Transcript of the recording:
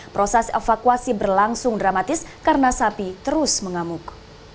proses evakuasi berlangsung dramatis karena sapi terus mengamuk